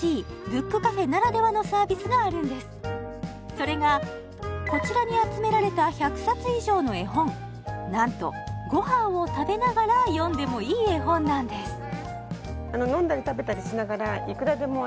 それがこちらに集められた１００冊以上の絵本なんとごはんを食べながら読んでもいい絵本なんですあっ